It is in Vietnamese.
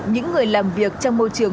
những người làm việc trong môi trường